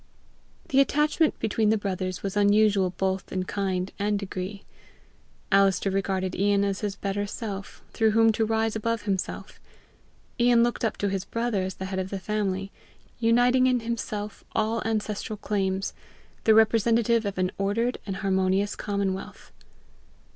The attachment between the brothers was unusual both in kind and degree. Alister regarded Ian as his better self, through whom to rise above himself; Ian looked up to his brother as the head of the family, uniting in himself all ancestral claims, the representative of an ordered and harmonious commonwealth.